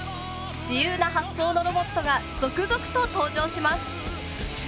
自由な発想のロボットが続々と登場します。